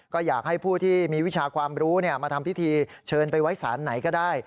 ก็อยากให้ผู้ที่มีวิชาความรู้มาทำพิธีเชิญไปไว้สารไหนก็ได้